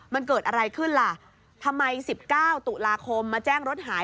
มันเกิดอะไรขึ้นล่ะทำไม๑๙ตุลาคมมาแจ้งรถหาย